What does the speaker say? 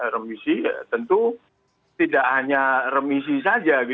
remisi tentu tidak hanya remisi saja